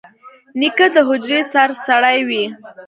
نیکه د حجرې سرسړی وي.